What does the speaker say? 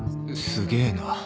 すげえな